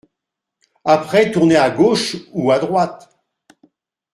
Après tournez à gauche ou à droite !